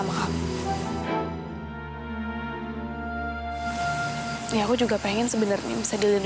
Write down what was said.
masis sangat bersalah